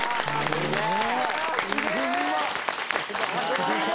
すげえ！